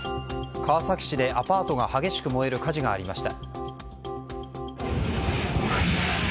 川崎市でアパートが激しく燃える火事がありました。